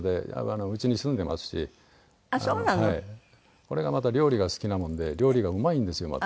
これがまた料理が好きなもので料理がうまいんですよまた。